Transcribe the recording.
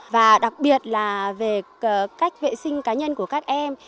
và đặc biệt là về cách vệ sinh cá nhân của các em